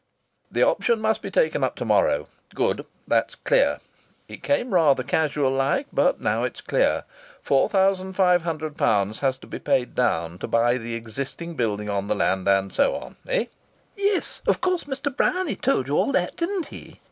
"The option must be taken up to morrow. Good! That's clear. It came rather casual like, but it's now clear. £4500 has to be paid down to buy the existing building on the land and so on.... Eh?" "Yes. Of course Mr. Bryany told you all that, didn't he?"